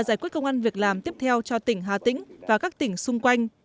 giải quyết công an việc làm tiếp theo cho tỉnh hà tĩnh và các tỉnh xung quanh